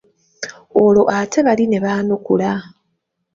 Olwo ate bali ne baanukula.